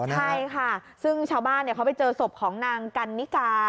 ใช่ค่ะซึ่งชาวบ้านเขาไปเจอศพของนางกันนิกา